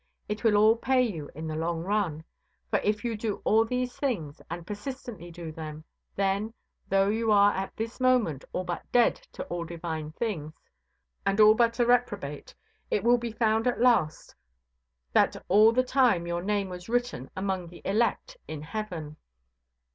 It will all pay you in the long run. For if you do all these things, and persistently do them, then, though you are at this moment all but dead to all divine things, and all but a reprobate, it will be found at last that all the time your name was written among the elect in heaven.